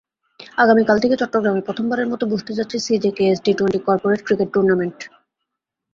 আগামীকাল থেকে চট্টগ্রামে প্রথমবারের মতো বসতে যাচ্ছে CJKS T twenty corporate cricket tournament.